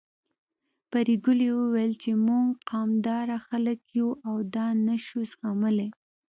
پري ګلې ويل چې موږ قامداره خلک يو او دا نه شو زغملی